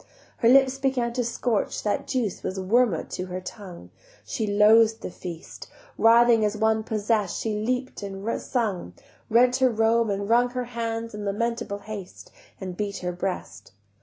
Her lips began to scorch, That juice was wormwood to her tongue, She loath'd the feast: Writhing as one possess'd she leap'd and sung, Rent all her robe, and wrung Her hands in lamentable haste, And beat her breast.